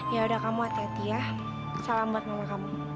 yaudah kamu hati hati ya salam buat mama kamu